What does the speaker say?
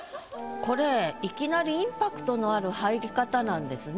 これいきなりインパクトのある入り方なんですね。